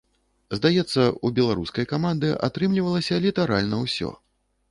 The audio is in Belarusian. Здаецца, у беларускай каманды атрымлівалася літаральна ўсё.